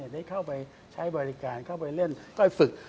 ได้เข้าไปใช้บริการเข้าไปเล่นค่อยฝึก